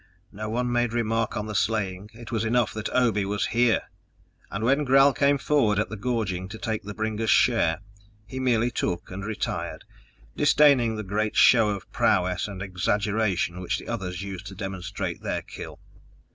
No one made remark on the slaying; it was enough that Obe was here! And when Gral came forward at the gorging to take the bringer's share, he merely took and retired, disdaining the great show of prowess and exaggeration which the others used to demonstrate their kill.